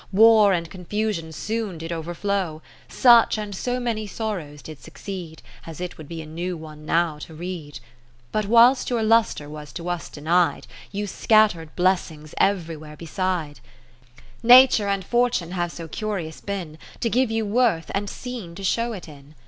War and confusion soon did over flow : Such and so many sorrows did succeed. As it would be a new one now to read. But whilst your lustre was to us denied. Katherine Philips You scatter'd blessings everywhere beside. i° Nature and Fortune have so curious been, To give you worth, and scene to show it in.